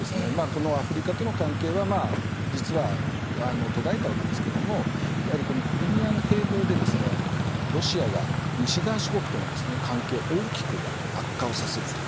このアフリカとの関係は実は途絶えたわけですけれどもやはりこのクリミアの併合でロシアが西側諸国との関係を大きく悪化をさせると。